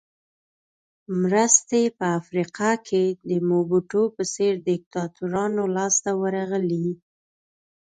مرستې په افریقا کې د موبوټو په څېر دیکتاتورانو لاس ته ورغلې.